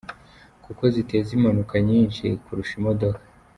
Kuko ziteza impanuka nyinshi kurusha imodoka,.